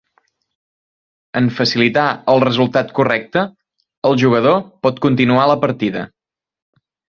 En facilitar el resultat correcte, el jugador pot continuar la partida.